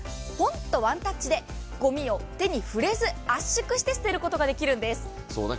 ぽんとワンタッチでごみを手に触れず圧縮して捨てることができるんです。